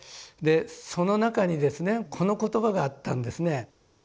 でその中にですねこの言葉があったんですね。